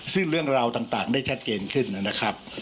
ซึ่งเรื่องราวต่างได้ชัดเจนขึ้นนะครับ